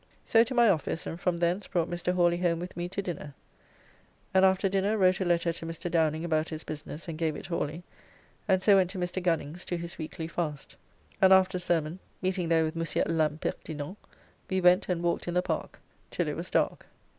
So to my office and from thence brought Mr. Hawly home with me to dinner, and after dinner wrote a letter to Mr. Downing about his business and gave it Hawly, and so went to Mr. Gunning's to his weekly fast, and after sermon, meeting there with Monsieur L'Impertinent, we went and walked in the park till it was dark.